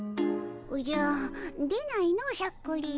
おじゃ出ないのしゃっくり。